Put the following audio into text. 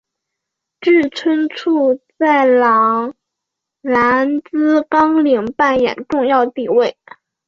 志村簇在郎兰兹纲领扮演重要地位。